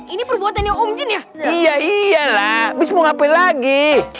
ini perbuatannya iya iyalah lagi